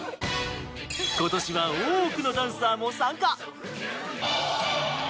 今年は多くのダンサーも参加。